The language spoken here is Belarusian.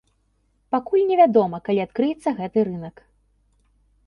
Пакуль невядома, калі адкрыецца гэты рынак.